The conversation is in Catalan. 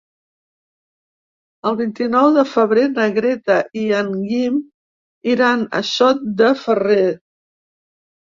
El vint-i-nou de febrer na Greta i en Guim iran a Sot de Ferrer.